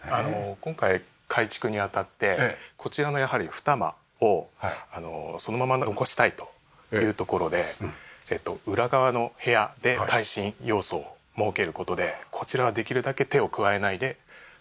今回改築にあたってこちらのやはりふた間をそのまま残したいというところで裏側の部屋で耐震要素を設ける事でこちらはできるだけ手を加えないで。